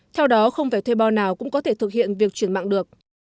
theo đó không phải thuê bao nào cũng có thể thực hiện việc chuyển mạng được